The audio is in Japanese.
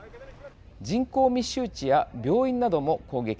人口密集地や病院なども攻撃され